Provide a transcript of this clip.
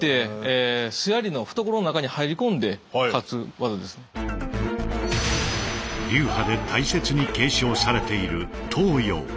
私どもの流派で大切に継承されている到用。